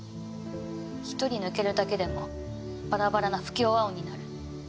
１人抜けるだけでもバラバラな不協和音になる。